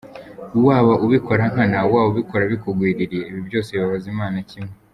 Waba ubikora nkana, waba ubikora bikugwiririye ibi byose bibabaza Imana kimwe.